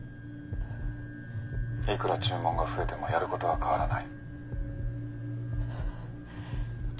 「いくら注文が増えてもやることは変わらない」。